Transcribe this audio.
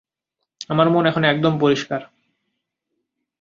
আমার মন এখন একদম পরিষ্কার।